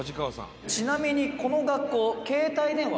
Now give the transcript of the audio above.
「ちなみにこの学校」